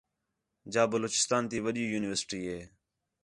جا بلوچستان تی وݙّی یونیورسٹی ہِے